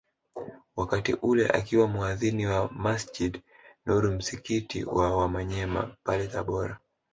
Wakati ule akiwa muadhin wa Masjid Nur msikiti wa Wamanyema pale Tabora